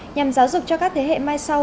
nhằm giáo dục cho các thế hệ mai sau